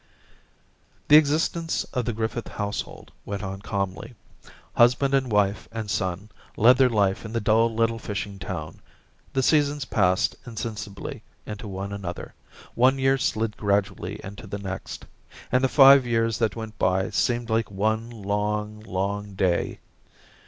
... The existence of the Griffith household went on calmly. Husband and wife and son led their life in the dull little fishing town, the seasons passed insensibly into one another, one year slid gradually into the next ; and the five years that went by seemed like one long, long day.